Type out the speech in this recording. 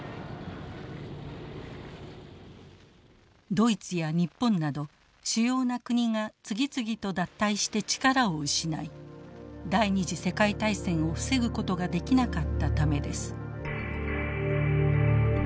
ドイツや日本など主要な国が次々と脱退して力を失い第２次世界大戦を防ぐことができなかったためです。